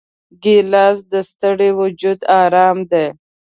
ګیلاس د ستړي وجود آرام دی.